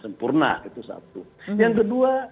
sempurna itu satu yang kedua